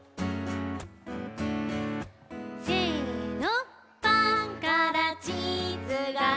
せの。